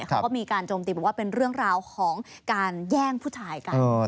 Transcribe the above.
เขาก็มีการโจมตีบอกว่าเป็นเรื่องราวของการแย่งผู้ชายกัน